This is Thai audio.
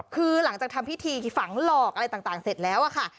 คือหลังจากทำพิธีฝังหลอกอะไรต่างเสร็จแล้วอะค่ะ